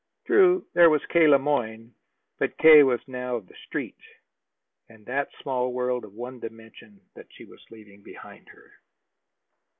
True, there was K. Le Moyne. But K. was now of the Street, of that small world of one dimension that she was leaving behind her.